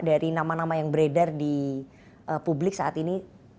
dari nama nama yang beredar di publik saat ini